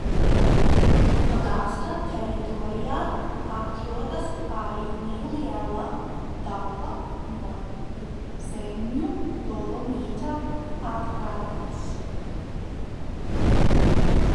Pagasta teritorijā atrodas arī neliela daļa no Dzeņu dolomīta atradnes.